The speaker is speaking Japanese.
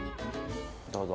どうぞ。